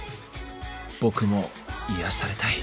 僕も癒やされたい。